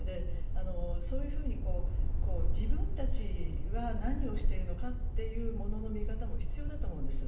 そういうふうに自分たちは何をしているのかというものの見方も必要だと思うんです。